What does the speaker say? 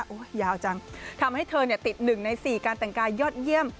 ยาวจังทำให้เธอติด๑ใน๔การแต่งกายยอดเยี่ยม